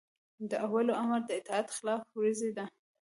د اولوامر د اطاعت خلاف ورزي ده